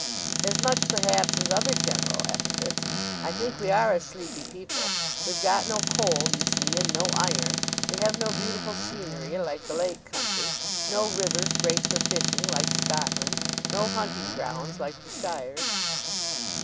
"As much, perhaps, as other general epithets. I think we are a sleepy people. We've got no coal, you see, and no iron. We have no beautiful scenery, like the lake country, no rivers great for fishing, like Scotland, no hunting grounds, like the shires."